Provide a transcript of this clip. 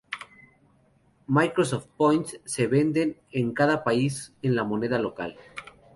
Microsoft Points se venden en cada país en la moneda local.